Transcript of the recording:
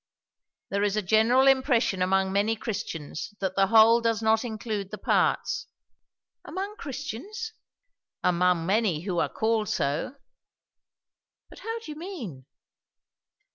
"There is a general impression among many Christians that the whole does not include the parts." "Among Christians?" "Among many who are called so." "But how do you mean?"